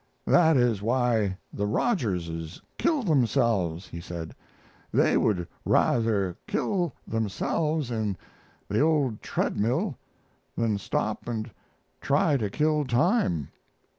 "That is why the Rogerses kill themselves," he said. "They would rather kill themselves in the old treadmill than stop and try to kill time.